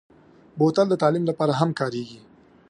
بوتل د تعلیم لپاره هم کارېږي.